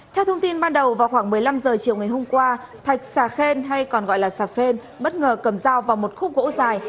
theo thông tin ban đầu vào khoảng một mươi năm h chiều ngày hôm qua thạch xà kh khen hay còn gọi là xà phên bất ngờ cầm dao vào một khúc gỗ dài